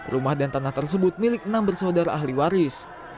rumah dan tanah tersebut milik enam bersaudara ahli waris